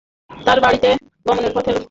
তাঁর বাড়িতে গমনের পথে লোকদের সমবেত হতে দেখলাম।